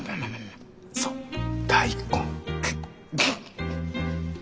そう大根。